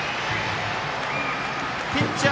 ピッチャー